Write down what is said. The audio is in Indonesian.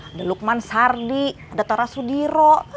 ada lukman sardi ada tora sudiro